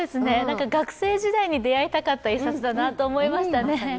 学生時代に出会いたかった一冊だと思いました。